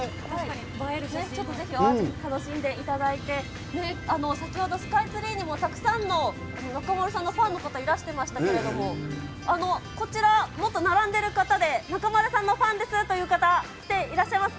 ぜひぜひお味楽しんでいただいて、先ほどスカイツリーにも、たくさんの中丸さんのファンの方、いらしてましたけれども、こちら、もっと並んでいる方で、中丸さんのファンですという方、来ていらっしゃいますか？